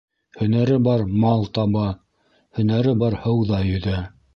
Һөнәре бар мал таба. Һөнәре бар һыуҙа йөҙә.